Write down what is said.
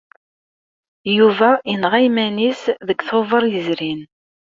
Yuba yenɣa iman-is deg Tubeṛ yezrin.